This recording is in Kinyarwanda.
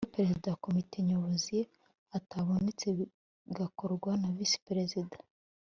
Iyo Perezida wa Komite Nyobozi atabonetse bigakorwa na Visi Perezida